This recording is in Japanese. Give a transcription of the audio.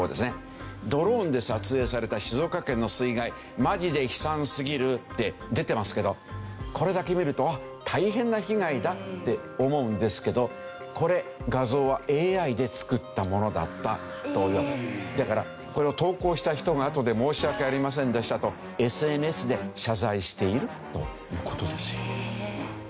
「ドローンで撮影された静岡県の水害」「マジで悲惨すぎる．．．」で出てますけどこれだけ見ると大変な被害だって思うんですけどこれ画像はだからこれを投稿した人があとで申し訳ありませんでしたとＳＮＳで謝罪しているという事ですよ。